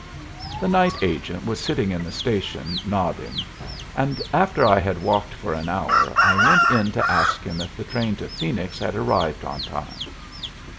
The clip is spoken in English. The night agent was sitting in the station, nodding, and after I had walked for an hour I went in to ask him if the train to Phoenix had arrived on time.